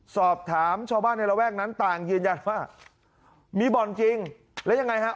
สอบถามชาวบ้านในระแวกนั้นต่างยืนยันว่ามีบ่อนจริงแล้วยังไงฮะ